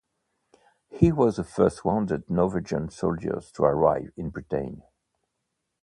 He was the first wounded Norwegian soldier to arrive in Britain.